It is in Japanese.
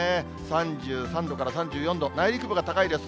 ３３度から３４度、内陸部が高いです。